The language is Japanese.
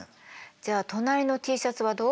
じゃあ隣のＴシャツはどう？